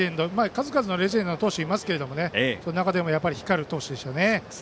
数々のレジェンドの投手がいましたけどその中でも光る投手でしたね。